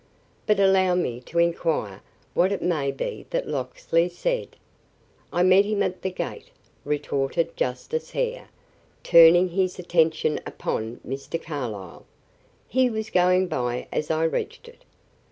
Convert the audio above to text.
But allow me to inquire what it may be that Locksley said?" "I met him at the gate," retorted Justice Hare, turning his attention upon Mr. Carlyle. "He was going by as I reached it.